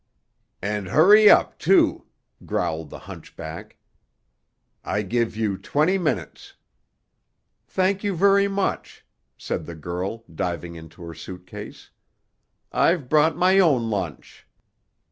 "And hurry up, too," growled the hunchback. "I give you twenty minutes." "Thank you very much," said the girl, diving into her suitcase. "I've brought my own lunch."